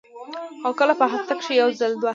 او کله پۀ هفته کښې یو ځل دوه ـ